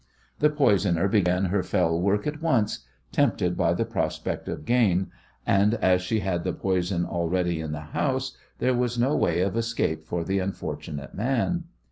The poisoner began her fell work at once, tempted by the prospect of gain, and as she had the poison already in the house there was no way of escape for the unfortunate man.